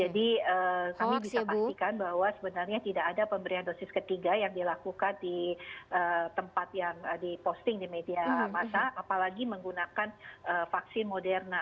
jadi kami bisa pastikan bahwa sebenarnya tidak ada pemberian dosis ketiga yang dilakukan di tempat yang diposting di media masa apalagi menggunakan vaksin moderna